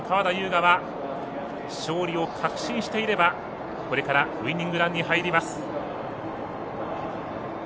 雅は勝利を確信していればこれからウイニングランに入ります。